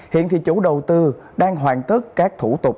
hiện thì chủ đầu tư đang hoàn tất các thủ tục